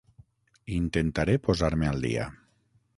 Intentaré posar-me al dia.